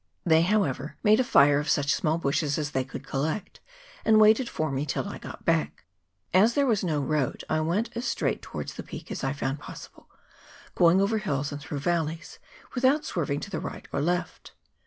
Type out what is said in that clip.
They, however, made a fire of such small bushes as they could collect, and waited for me till I got back. As there was no road, I went as straight towards the peak as I found possible, going over hills and through valleys without swerving to the right or left.